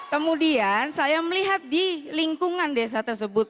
kemudian saya melihat di lingkungan desa tersebut